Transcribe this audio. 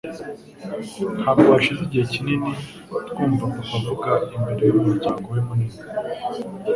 Ntabwo hashize igihe kinini twumva papa avuga imbere yumuryango we munini